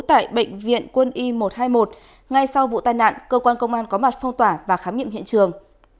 tại bệnh viện quân y một trăm hai mươi một ngay sau vụ tai nạn cơ quan công an có mặt phong tỏa và khám nghiệm hiện trường